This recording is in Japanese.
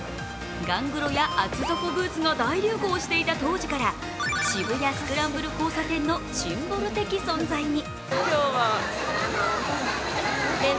ガングロや厚底ブーツが大流行していた当時から渋谷スクランブル交差点のシンボル的存在に。